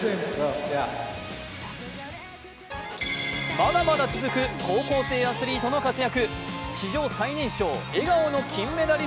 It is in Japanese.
まだまだ続く高校生アスリートの活躍